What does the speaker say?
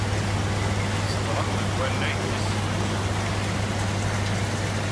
Tzedɣem deg wannag wis semmus.